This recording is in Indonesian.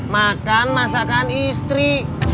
makan masakan istri